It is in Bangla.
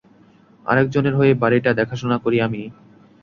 আরেকজনের হয়ে বাড়িটা দেখাশোনা করি আমি।